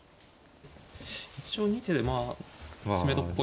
一応２手でまあ詰めろっぽいから。